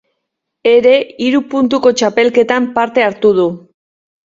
Ere hiru puntuko txapelketan parte hartu du.